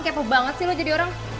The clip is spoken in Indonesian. kepo banget sih lo jadi orang